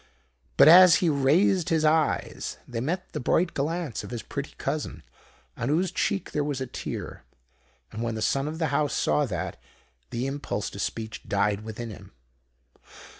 But as he raised his eyes they met the bright glance of his pretty cousin, on whose cheek there was a tear. And when the Son of the House saw that, the impulse to speech died within him.